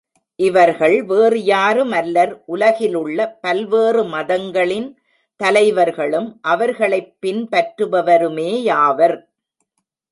இவர்கள் வேறுயாருமல்லர் உலகில் உள்ள பல்வேறு மதங்களின் தலைவர்களும் அவர்களைப் பின் பற்றுபவருமேயாவர்.